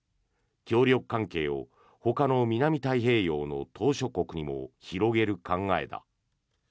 協力関係をほかの南太平洋の島しょ国にも広げる考えだ。